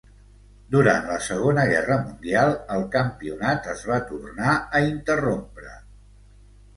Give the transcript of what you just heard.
Durant la Segona Guerra Mundial el campionat es va tornar a interrompre.